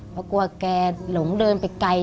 เพราะกลัวแกหลงเดินไปไกล